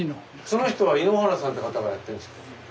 その人は井ノ原さんって方がやってるんですか？